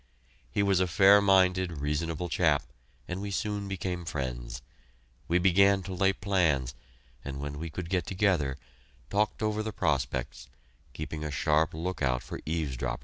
He was a fair minded, reasonable chap, and we soon became friends. We began to lay plans, and when we could get together, talked over the prospects, keeping a sharp lookout for eavesdroppers.